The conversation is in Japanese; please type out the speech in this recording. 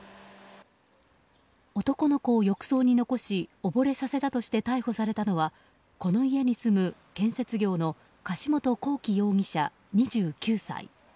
男の子を浴槽に残しおぼれさせたとして逮捕されたのはこの家に住む、建設業の柏本光樹容疑者、２９歳。